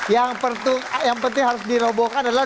yang penting harus dirobohkan adalah